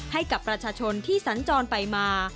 ให้กับประชาชนที่สัญจรไปมา